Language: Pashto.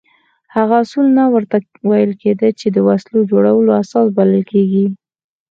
هغه اصول نه ورته ویل کېده چې د وسلو جوړولو اساس بلل کېږي.